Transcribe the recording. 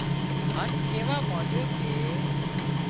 هان ڪيوا مانڏيو ڪي